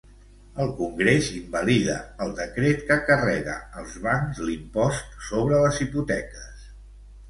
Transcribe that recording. El Congrés invalida el decret que carrega als bancs l'impost sobre les hipoteques.